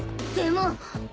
でも。